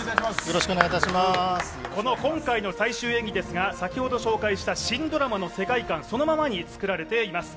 今回の最終演技ですが、先ほど紹介した新ドラマの世界観そのままに作られています。